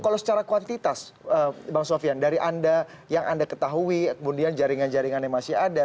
kalau secara kuantitas bang sofian dari anda yang anda ketahui kemudian jaringan jaringannya masih ada